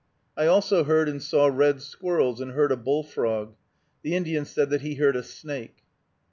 I also heard and saw red squirrels, and heard a bullfrog. The Indian said that he heard a snake.